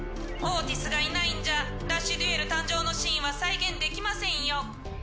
オーティスがいないんじゃラッシュデュエル誕生のシーンは再現できませんよ。